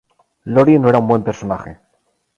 Lori no era un buen personaje.